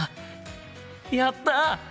やった！